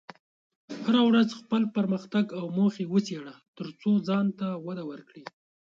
هره ورځ خپل پرمختګ او موخې وڅېړه، ترڅو ځان ته وده ورکړې.